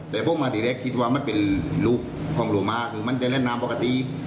แต่พวกมาทีแรกคิดว่ามันเป็นลูกของโลมาคือมันจะเล่นน้ำปกติ